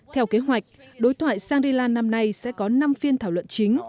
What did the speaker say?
theo kế hoạch đối thoại shangri lan năm nay sẽ có năm phiên thảo luận chính